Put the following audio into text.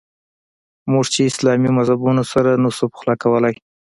موږ چې اسلامي مذهبونه سره نه شو پخلا کولای.